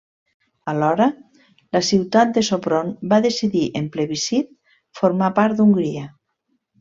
Alhora, la ciutat de Sopron va decidir en plebiscit formar part d'Hongria.